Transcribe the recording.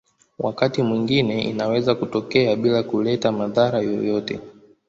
Wakati mwingine inaweza kutokea bila kuleta madhara yoyote.